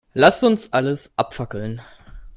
Lass uns alles abfackeln.